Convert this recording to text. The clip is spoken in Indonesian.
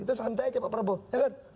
itu santai aja pak prabowo ya kan